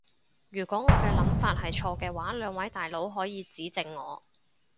如果我嘅諗法係錯嘅話，兩位大佬可以指正我